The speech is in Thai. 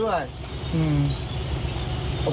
มีของแหงี้ด้วย